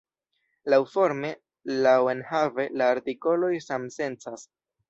Laŭforme, laŭenhave, la artikoloj samsencas.